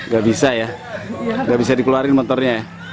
gak bisa ya gak bisa dikeluarin motornya ya